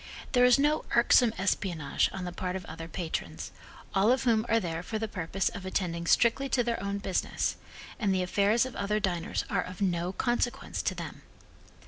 There is no irksome espionage on the part of other patrons, all of whom are there for the purpose of attending strictly to their own business, and the affairs of other diners are of no consequence to them.